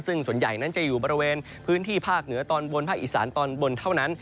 ซึ่งส่วนใหญ่นั้นจะอยู่บริเวณพื้นที่ภาคเหนือตอนบนภาคอีสานตอนบนเท่านั้น